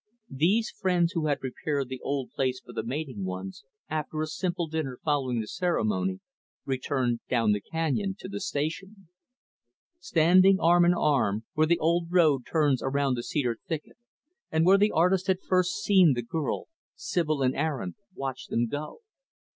These friends who had prepared the old place for the mating ones, after a simple dinner following the ceremony, returned down the canyon to the Station. Standing arm in arm, where the old road turns around the cedar thicket, and where the artist had first seen the girl, Sibyl and Aaron watched them go.